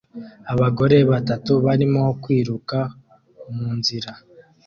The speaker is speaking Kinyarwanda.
Abagore batatu barimo kwiruka munzira